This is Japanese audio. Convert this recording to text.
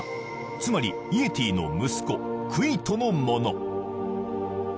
つまりイエティの息子クウィトのもの